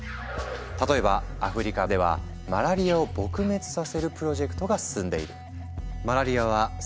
例えばアフリカではマラリアを撲滅させるプロジェクトが進んでいる。